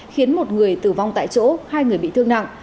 khiến một người tử vong tại chỗ hai người bị thương nặng